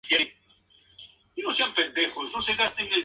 La nueva ciudad se rodeó de una muralla mantenida por los ciudadanos.